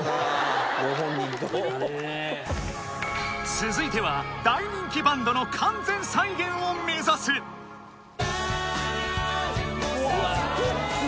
続いては大人気バンドの完全再現を目指すスピッツ